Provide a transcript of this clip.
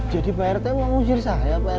jadi pak rt nganggur saya pak rt